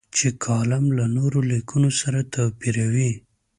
چې کالم له نورو لیکنو سره توپیروي.